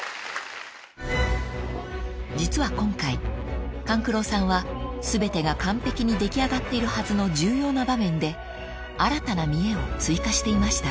［実は今回勘九郎さんは全てが完璧に出来上がっているはずの重要な場面で新たな見得を追加していました］